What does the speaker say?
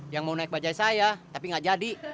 yang mau naik bajai saya tapi gak jadi